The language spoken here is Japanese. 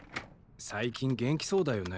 最近元気そうだよね。